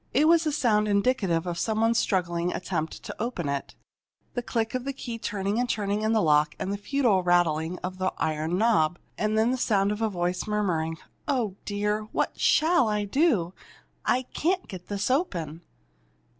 It was a sound indicative of some one's struggling attempt to open it the click of a key turning and turning in the lock and the futile rattling of the iron knob. And then the sound of a voice murmuring: "Oh, dear! What shall I do? I can't get this open!"